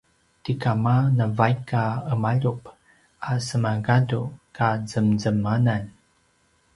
ti kama navaik a ’emaljup a semagadu ka zemzemanan